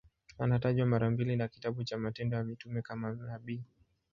Anatajwa mara mbili na kitabu cha Matendo ya Mitume kama nabii.